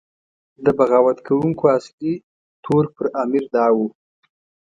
د بغاوت کوونکو اصلي تور پر امیر دا و.